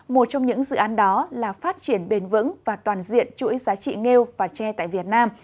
một trong những dự án đó là phát triển bền vững và toàn diện chuỗi giá trị nghêu và tre tại việt nam